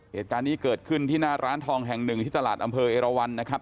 เหตุการณ์นี้เกิดขึ้นที่หน้าร้านทองแห่งหนึ่งที่ตลาดอำเภอเอราวันนะครับ